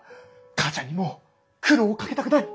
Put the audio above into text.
母ちゃんにもう苦労をかけたくない。